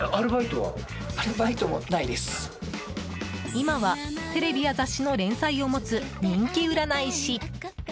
今は、テレビや雑誌の連載を持つ、人気占い師。